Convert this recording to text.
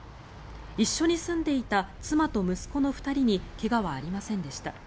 一緒に住んでいた妻と息子の２人に怪我はありませんでした。